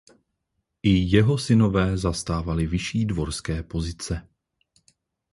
I jeho synové zastávali vyšší dvorské pozice.